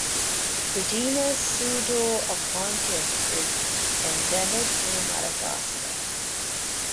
The genus "Pseudoacontias" is endemic to Madagascar.